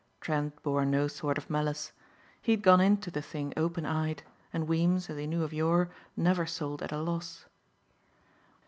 Trent bore no sort of malice. He had gone into the thing open eyed and Weems, as he knew of yore, never sold at a loss.